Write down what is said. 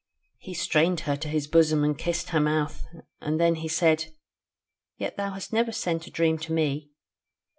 He strained her to his bosom and kissed her mouth, and then he said: "Yet thou hast never sent a dream to me."